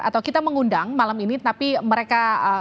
atau kita mengundang malam ini tapi mereka